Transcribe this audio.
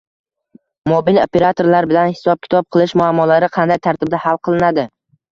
Mobil operatorlar bilan hisob-kitob qilish muammolari qanday tartibda hal qilinadi?